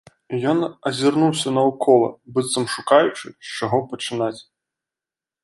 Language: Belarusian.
Ён азірнуўся наўкола, быццам шукаючы, з чаго пачынаць.